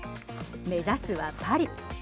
目指すはパリ。